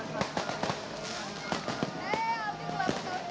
kamu tinggi banget